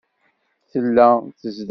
Tella tezdeɣ deg Tel Aviv.